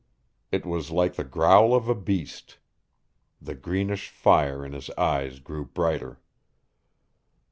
It was like the growl of a beast. The greenish fire in his eyes grew brighter.